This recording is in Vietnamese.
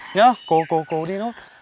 nhớ cố cố cố đi nốt